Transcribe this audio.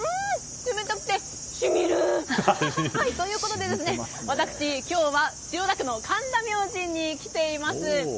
冷たくてしみる！ということで私、今日は千代田区の神田明神に来ています。